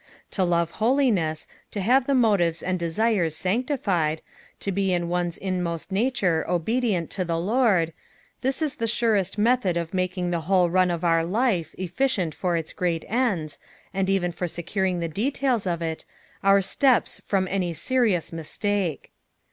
To love holiness, to have the motives and dedres sanctified, to be in one's inmost nature obedient to the Lord— this is the surest method of making the whole run of our life efficient for its great ends, and even for securing the details of it, our ttept PSALK THE THIETT 8BVBNTH. 197 fawn any serious mistftlte.